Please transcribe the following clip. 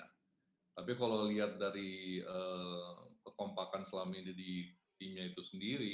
tapi kalau lihat dari kekompakan selama ini di timnya itu sendiri